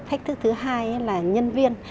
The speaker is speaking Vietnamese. thách thức thứ hai là nhân viên